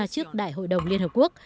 trước đại hội đồng liên hợp quốc